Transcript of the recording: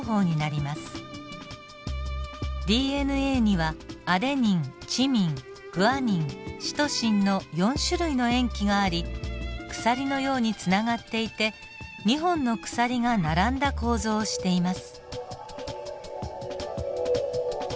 ＤＮＡにはアデニンチミングアニンシトシンの４種類の塩基があり鎖のようにつながっていて２本の鎖が並んだ構造をしています。